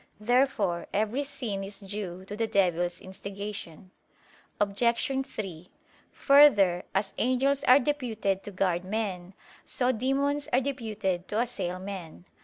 Therefore every sin is due to the devil's instigation. Obj. 3: Further, as angels are deputed to guard men, so demons are deputed to assail men.